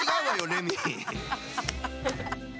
レミ。